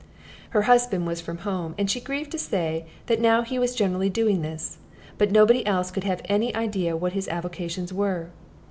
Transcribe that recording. Her husband was from home, and she grieved to say that now he was generally doing this; but nobody else could have any idea what his avocations were!